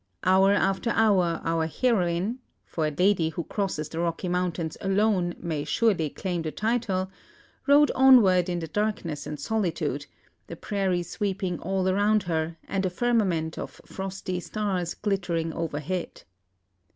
Hour after hour our heroine for a lady who crosses the Rocky Mountains alone may surely claim the title! rode onward in the darkness and solitude, the prairie sweeping all around her, and a firmament of frosty stars glittering overhead.